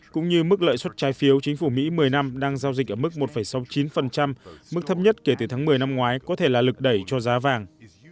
cũng như mức lợi suất trái phiếu chính phủ mỹ một mươi năm đang giao dịch ở mức một sáu mươi chín mức thấp nhất kể từ tháng một mươi năm ngoái có thể là lực đẩy cho giá vàng